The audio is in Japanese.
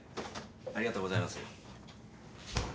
ありがとうございます